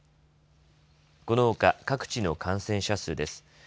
このほか各地の感染者数です。